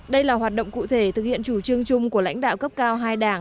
đây là hoạt động cụ thể thực hiện chủ trương chung của lãnh đạo cấp cao hai đảng